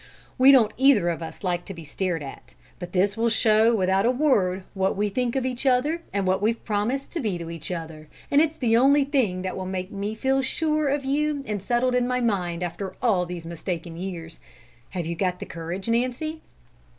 We don't either of us like to be stared at, but this will show without a word what we think of each other and what we've promised to be to each other, and it's the only thing that will make me feel sure of you and settled in my mind after all these mistaken years. Have you got the courage, Nancy?"